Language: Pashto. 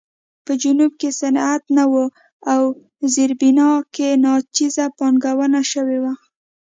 په جنوب کې صنعت نه و او زیربنا کې ناچیزه پانګونه شوې وه.